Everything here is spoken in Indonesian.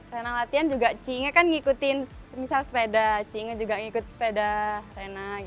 renang latihan cie inge juga mengikuti sepeda cie inge juga mengikuti sepeda rena